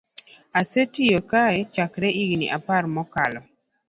Asetiyo kae chakre higni apar mokalo